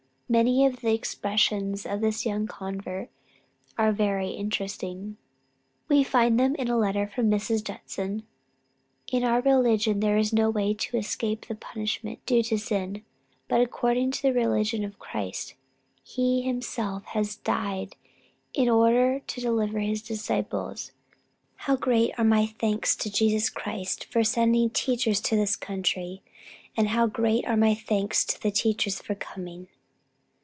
Many of the expressions of this young convert are very interesting. We find them in a letter from Mrs. Judson. "In our religion there is no way to escape the punishment due to sin; but according to the religion of Christ, he himself has died in order to deliver his disciples. How great are my thanks to Jesus Christ for sending teachers to this country! and how great are my thanks to the teachers for coming!"